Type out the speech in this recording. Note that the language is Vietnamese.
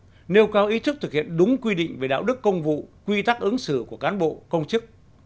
nêu cao ý thức thực hiện đúng quy định về đạo đức công vụ quy tắc ứng xử của cán bộ công chức